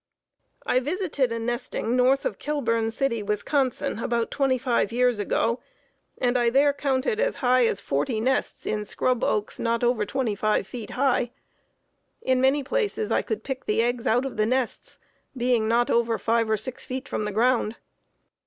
I visited a nesting north of Kilburn City, Wis., about twenty five years ago, and I there counted as high as forty nests in scrub oaks not over twenty five feet high; in many places I could pick the eggs out of the nests, being not over five or six feet from the ground.